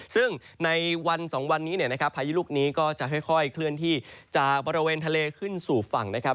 ซึ่งในวัน๒วันนี้เนี่ยนะครับพายุลูกนี้ก็จะค่อยเคลื่อนที่จากบริเวณทะเลขึ้นสู่ฝั่งนะครับ